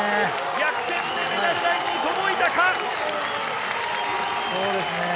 逆転でメダルラインに届いたか？